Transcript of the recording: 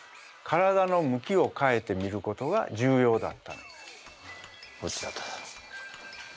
体の向きを変えて見ることが重要だったんです。